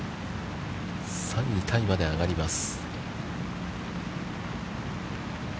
３位タイまで上がります。